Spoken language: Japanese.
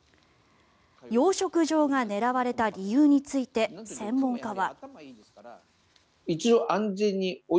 養殖場が狙われた理由について専門家は。